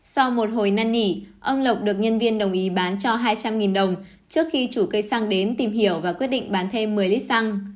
sau một hồi năn nỉ ông lộc được nhân viên đồng ý bán cho hai trăm linh đồng trước khi chủ cây xăng đến tìm hiểu và quyết định bán thêm một mươi lít xăng